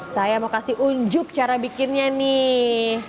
saya mau kasih unjuk cara bikinnya nih